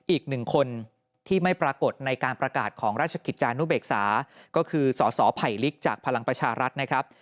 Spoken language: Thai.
อีกหนึ่งคนที่ไม่ปรากฏในการประกาศของราชกิจจานุเบกษาก็คือสสไผลลิกจากพลังประชารัฐนะครับ